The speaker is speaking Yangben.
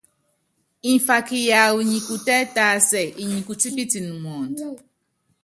Mfaka yawu nyi kutɛ́ tásɛ, inyi kutípitɛn mɔɔnd.